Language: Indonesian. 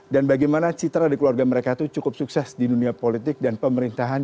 dan bagaimana citra di keluarga mereka itu cukup sukses di dunia politik dan pemerintahan